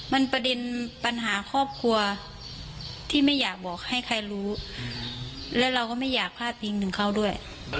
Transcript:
มันประเด็นปัญหาครอบครัวที่ไม่อยากบอกให้ใครรู้แล้วเราก็ไม่อยากพลาดพิงถึงเขาด้วย